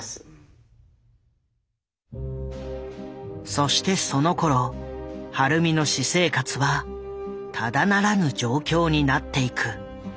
そしてそのころ晴美の私生活はただならぬ状況になっていく。